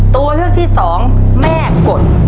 ตัวเลือกที่สองแม่กด